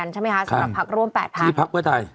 ใช่มั้ยคะสำหรับพักร่วม๘พัก